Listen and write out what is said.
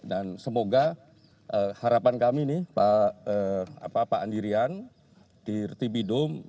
dan semoga harapan kami nih pak andirian di rti bidom